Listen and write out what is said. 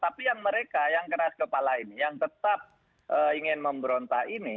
tapi yang mereka yang keras kepala ini yang tetap ingin memberontak ini